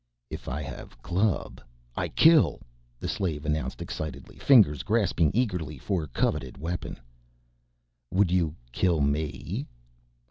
"If I have club, I kill!" the slave announced excitedly, fingers grasping eagerly for coveted weapon. "Would you kill me?"